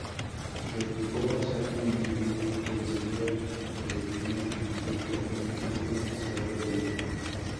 Del huevo sale un individuo que enseguida deviene en adulto, presentando un desarrollo directo.